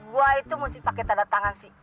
gue itu mesti pake tanda tangan sih